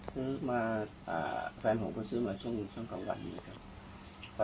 ซื้อมาแฟนผมก็ซื้อมาตอนกองวันนี้ค่ะ